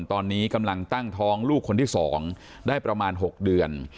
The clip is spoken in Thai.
ตอนนี้กำลังตั้งท้องลูกคนที่๒ได้ประมาณ๖เดือน